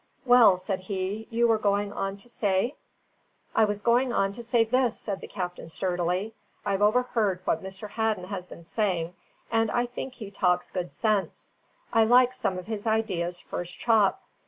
"Well," said he, "you were going on to say?" "I was going on to say this," said the captain sturdily. "I've overheard what Mr. Hadden has been saying, and I think he talks good sense. I like some of his ideas first chop.